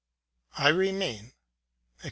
I remain, etc.